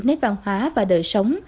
nét văn hóa và đời sống